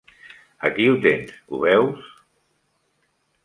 Aquí ho tens, ho veus!